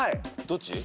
どっち？